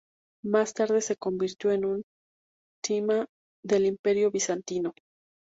Más tarde se convirtió en un "thema" del Imperio bizantino.